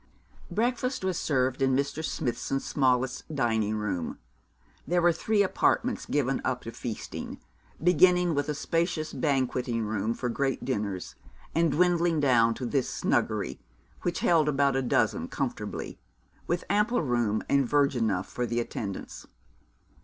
Breakfast was served in Mr. Smithson's smallest dining room there were three apartments given up to feasting, beginning with a spacious banqueting room for great dinners, and dwindling down to this snuggery, which held about a dozen comfortably, with ample room and verge enough for the attendants.